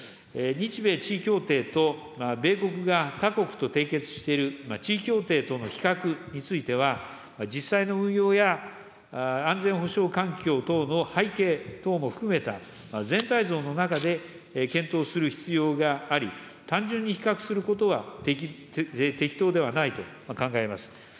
日米地位協定と米国が他国と締結している地位協定との比較については、実際の運用や安全保障環境等の背景等も含めた全体像の中で検討する必要があり、単純に比較することは適当ではないと考えます。